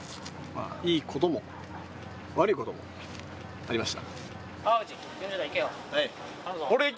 いいことも悪いこともありました。